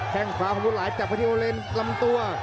แข้งขวาของกุ้นหลายจากพอที่โอเลนส์ลำตัว